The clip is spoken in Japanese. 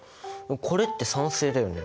これって酸性だよね。